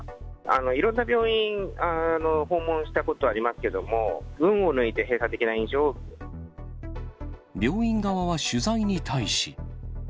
いろんな病院、訪問したことありますけども、病院側が取材に対し。